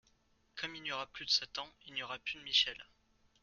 Comme il n'y aura plus de Satan, il n'y aura plus de Michel.